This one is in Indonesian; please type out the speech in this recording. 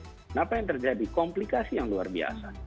kenapa yang terjadi komplikasi yang luar biasa